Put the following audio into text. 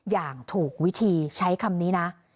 อย่างถูกวิธีใช้คำนี้นะ